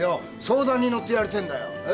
相談に乗ってやりてえんだよ。